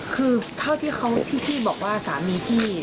คือเท่าที่พี่บอกว่าสามีพี่